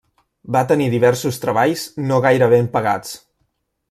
Va tenir diversos treballs no gaire ben pagats.